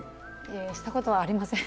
したことはありません。